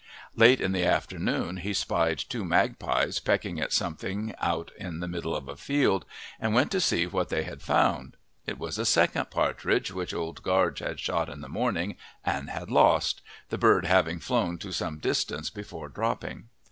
Late in the afternoon he spied two magpies pecking at something out in the middle of a field and went to see what they had found. It was a second partridge which Old Gaarge had shot in the morning and had lost, the bird having flown to some distance before dropping.